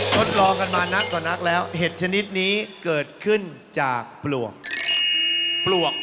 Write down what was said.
ทดลองกันมานักต่อนักแล้วเห็ดชนิดนี้เกิดขึ้นจากปลวกปลวก